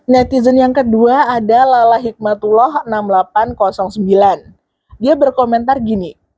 netizen yang kedua ada lala hikmatullah enam ribu delapan ratus sembilan dia berkomentar gini